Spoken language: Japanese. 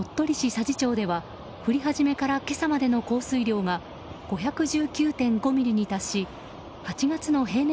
佐治町では降り始めから今朝までの降水量が５１９．５ミリに達し８月の平年